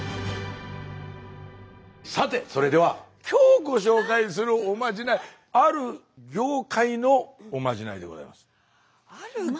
さてそれでは今日ご紹介するおまじないある業界？おまじない？